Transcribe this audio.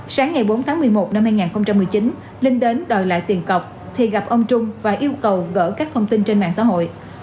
sáng ngày bốn tháng một mươi một năm hai nghìn một mươi chín linh đến đòi lại tiền cọc thì gặp ông trung và yêu cầu gỡ các thông tin trên mạng xã hội